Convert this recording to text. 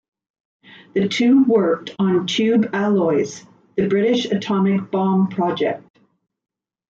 The two worked on Tube Alloys, the British atomic bomb project.